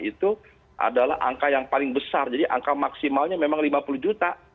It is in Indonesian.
itu adalah angka yang paling besar jadi angka maksimalnya memang lima puluh juta